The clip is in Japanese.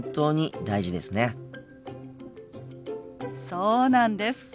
そうなんです。